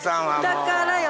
だからよ。